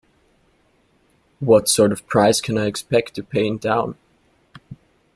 What sort of price can I expect to pay in town?